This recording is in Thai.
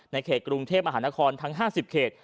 เขตกรุงเทพมหานครทั้ง๕๐เขต